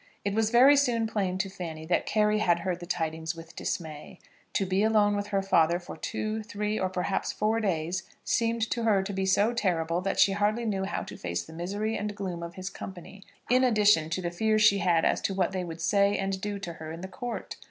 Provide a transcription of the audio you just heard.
It was very soon plain to Fanny that Carry had heard the tidings with dismay. To be alone with her father for two, three, or perhaps four days, seemed to her to be so terrible, that she hardly knew how to face the misery and gloom of his company, in addition to the fears she had as to what they would say and do to her in the Court.